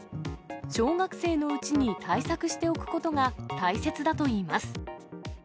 小学生のうちに対策しておくことが大切だといいます。